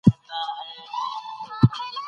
تر هغه چي هر پښتون ټایپنګ زده کړي.